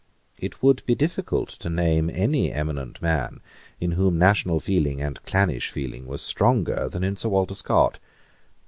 It would be difficult to name any eminent man in whom national feeling and clannish feeling were stronger than in Sir Walter Scott.